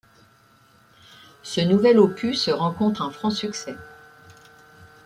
Ce nouvel opus rencontre un franc succès.